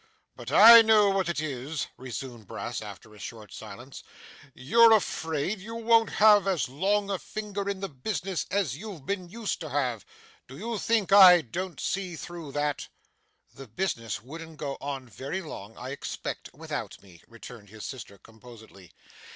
'But I know what it is,' resumed Brass after a short silence. 'You're afraid you won't have as long a finger in the business as you've been used to have. Do you think I don't see through that?' 'The business wouldn't go on very long, I expect, without me,' returned his sister composedly.